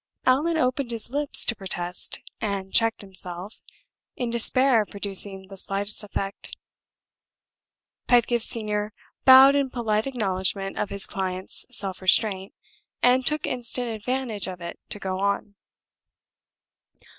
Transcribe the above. Allan opened his lips to protest, and checked himself, in despair of producing the slightest effect. Pedgift Senior bowed in polite acknowledgment of his client's self restraint, and took instant advantage of it to go on.